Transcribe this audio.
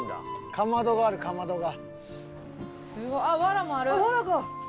かまどがあるかまどが。